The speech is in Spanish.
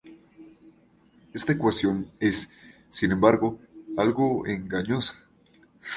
Esta ecuación es sin embargo algo engañosa.